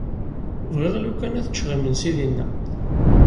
Bɣiɣ lukan ad ččeɣ imensi dinna.